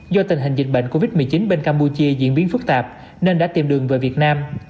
do tình hình dịch bệnh covid một mươi chín bên campuchia diễn biến phức tạp nên đã tìm đường về việt nam